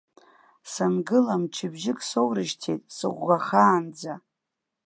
Сангыла, мчыбжьык соурышьҭит, сыӷәӷәахаанӡа.